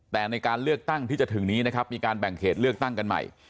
แต่ในการเลือกตั้งที่จะถึงนี้นะครับมีการแบ่งเขตเลือกตั้งกันใหม่